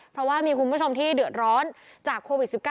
เพราะว่ามีคุณผู้ชมที่เดือดร้อนจากโควิด๑๙